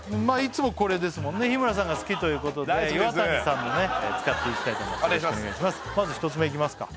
まあいつもこれですもんね日村さんが好きということでイワタニさんのね使っていきたいと思います